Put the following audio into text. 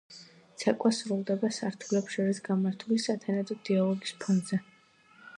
ცეკვა სრულდება სართულებს შორის გამართული სათანადო დიალოგის ფონზე.